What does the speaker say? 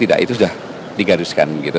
tidak itu sudah digariskan